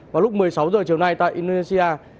vào lúc một mươi sáu h chiều nay tại indonesia